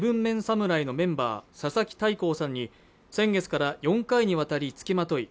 侍のメンバー佐々木大光さんに先月から４回にわたりつきまとい